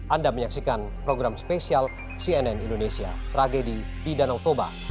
anda menyaksikan program spesial cnn indonesia tragedi di danau toba